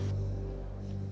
ya udah kalau gitu